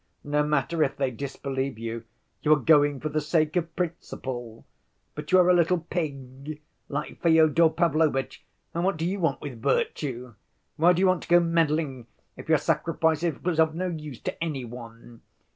'No matter if they disbelieve you, you are going for the sake of principle. But you are a little pig like Fyodor Pavlovitch, and what do you want with virtue? Why do you want to go meddling if your sacrifice is of no use to any one?